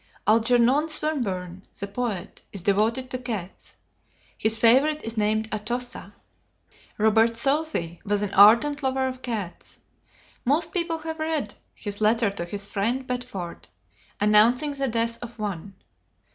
Algernon Swinburne, the poet, is devoted to cats. His favorite is named Atossa. Robert Southey was an ardent lover of cats. Most people have read his letter to his friend Bedford, announcing the death of one.